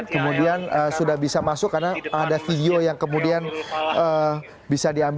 kemudian sudah bisa masuk karena ada video yang kemudian bisa diambil